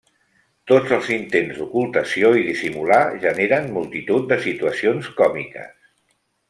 Tots els intents d'ocultació i dissimular generen multitud de situacions còmiques.